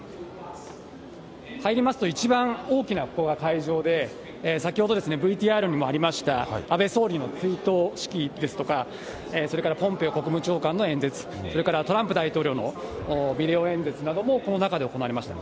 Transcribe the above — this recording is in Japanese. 入りますと一番大きなここが会場で、先ほどＶＴＲにもありました、安倍総理の追悼式ですとか、それからポンペオ国務長官の演説、それからトランプ大統領のビデオ演説なども、この中で行われました。